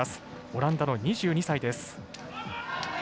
オランダの２２歳です。